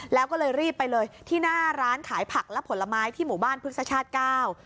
แล้วก็เลยรีบไปเลยที่หน้าร้านขายผักและผลไม้ที่หมู่บ้านพฤกษชาติเก้า